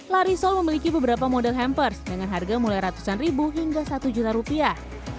la risol memiliki beberapa model hampers dengan harga mulai ratusan ribu hingga satu juta rupiah